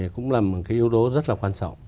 cũng là một cái yếu tố rất là quan trọng